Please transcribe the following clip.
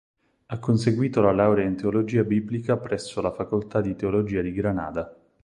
Ha conseguito la laurea in teologia biblica presso la Facoltà di teologia di Granada.